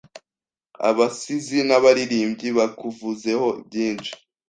Abasizi n’abaririmbyi bakuvuzeho byinshi